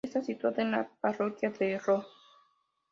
Está situada en la parroquia de Roo.